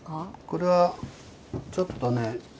これはちょっとね